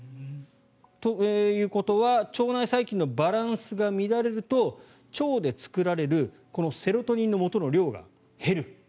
ということは腸内細菌のバランスが乱れると腸で作られる、このセロトニンのもとの量が減る。